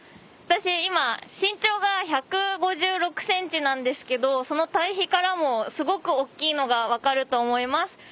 私今身長が１５６ｃｍなんですけどその対比からもすごく大っきいのが分かると思います。